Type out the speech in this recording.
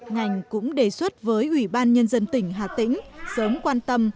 ngành cũng đề xuất với ủy ban nhân dân tỉnh hà tĩnh sớm quan tâm